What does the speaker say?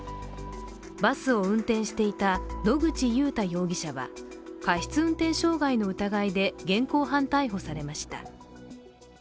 バスを運転していた野口祐太容疑者は過失運転傷害の疑いで現行犯逮捕されました。